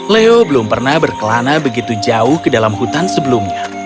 leo belum pernah berkelana begitu jauh ke dalam hutan sebelumnya